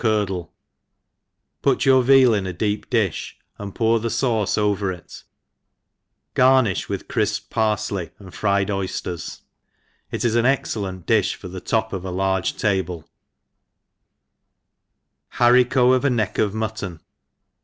curdle ; put your veal in a deep diflb, and pour the faucQ over it : garnifli with crifpcd parfley and fried oyfters^ ^ It is an excellent difli for the top of a large table, HaRICO ^ J NECKg/'MuTTON.